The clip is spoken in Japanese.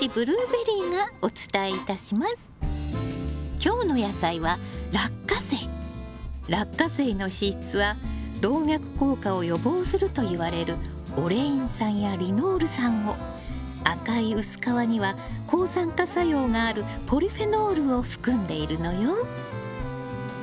今日の野菜はラッカセイの脂質は動脈硬化を予防するといわれるオレイン酸やリノール酸を赤い薄皮には抗酸化作用があるポリフェノールを含んでいるのよ。